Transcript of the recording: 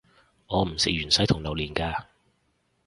我唔食芫茜同榴連架